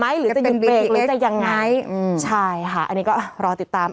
ต่อไหมหรือจะยืนเปรกหรือจะยังไงใช่ค่ะอันนี้ก็รอติดตาม